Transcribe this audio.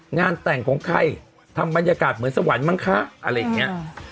งานแต่งของใครทำบรรยากาศเหมือนสวรรค์มั้งคะอะไรอย่างนี้